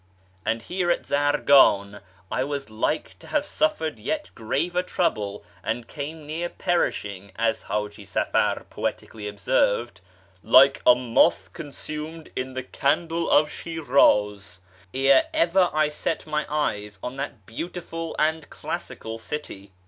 And here at Zargan I was like to have suffered yet graver trouble, and came near perishing, as H;iji Safar poetically observed, " like a moth consumed in the candle of Shin'iz," ere ever I set eyes on that beautiful and classical city.